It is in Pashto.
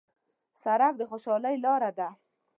سړک د خوشحالۍ لاره ده.